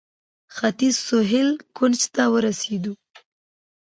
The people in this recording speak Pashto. ختیځ سهیل کونج ته ورسېدو.